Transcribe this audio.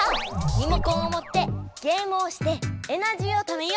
リモコンをもってゲームをしてエナジーをためよう！